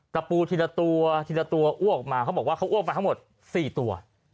ตะปูทีละตัวทีละตัวอ้วกออกมาเขาบอกว่าเขาอ้วกไปทั้งหมด๔ตัว